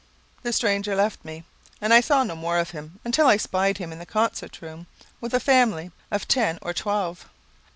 The stranger left me, and I saw no more of him, until I spied him in the concert room, with a small family of ten or twelve.